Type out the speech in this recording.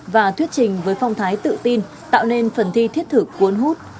và thuyết trình với phong thái tự tin tạo nên phần thi thiết thực cuốn hút